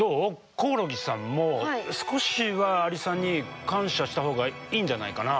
コオロギさんも少しはアリさんに感謝したほうがいいんじゃないかな？